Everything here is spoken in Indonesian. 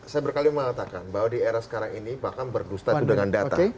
saya berkaliung mengatakan bahwa di era sekarang ini bahkan berdustatu dengan data